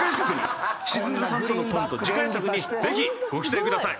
しずるさんとのコント次回作にぜひご期待ください。